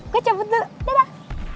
gue cabut dulu dadah